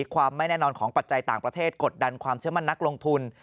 ความไม่แน่นอนของปัจจัยต่างประเทศกดดันความเชื่อมั่นนักลงทุน